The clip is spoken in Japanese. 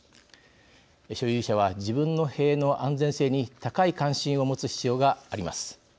所有者は自分の塀の安全性に高い関心を持つ必要があります。